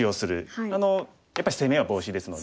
やっぱり「攻めはボウシ」ですので。